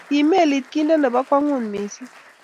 ki melit kinde nebo kwong'ut mising